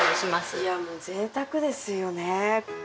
いやもうぜいたくですよね！